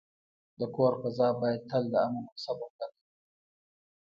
د کور فضا باید تل د امن او صبر ډکه وي.